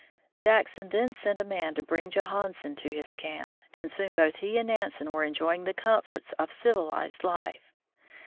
Jackson then sent a man to bring Johansen to his camp, and soon both he and Nansen were enjoying the comforts of civilized life.